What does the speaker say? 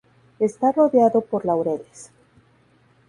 Está rodeado por laureles.